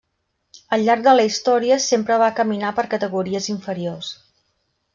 Al llarg de la història sempre va caminar per categories inferiors.